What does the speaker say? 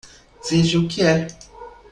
Veja o que é